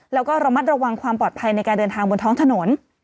แล้วก็ระมัดระวังความปลอดภัยในการเดินทางบนท้องถนน